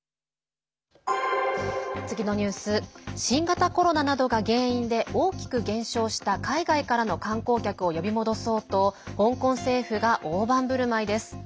次のニュース新型コロナなどが原因で大きく減少した海外からの観光客を呼び戻そうと香港政府が大盤ぶるまいです。